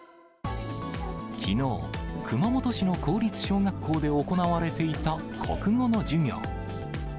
きのう、熊本市の公立小学校で行われていた国語の授業。